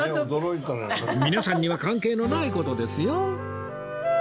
皆さんには関係のない事ですよ